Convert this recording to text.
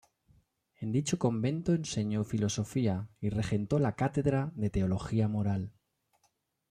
En dicho convento enseño Filosofía y regentó la Cátedra de Teología Moral.